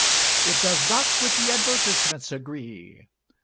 It does not with the advertisements agree.